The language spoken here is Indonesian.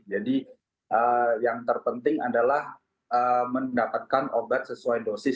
jadi yang terpenting adalah mendapatkan obat sesuai dosis